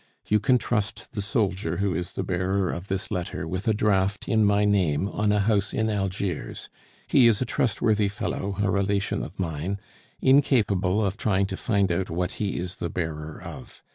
You can trust the soldier who is the bearer of this letter with a draft in my name on a house in Algiers. He is a trustworthy fellow, a relation of mine, incapable of trying to find out what he is the bearer of.